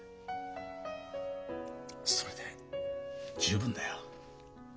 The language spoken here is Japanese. それで十分だよ。